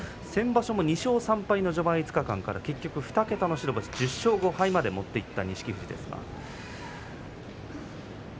先場所も２勝３敗の序盤から２桁の白星１０勝５敗まで持っていった錦富士ですが。